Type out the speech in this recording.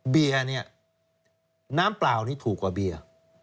เบียร์เนี่ยน้ำเปล่านี้ถูกกว่าเบียร์